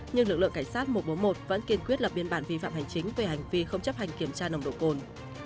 nhưng lực lượng cảnh sát một trăm bốn mươi một vẫn kiên quyết lập biên bản vi phạm hành chính về hành vi không chấp hành kiểm tra nồng độ cồn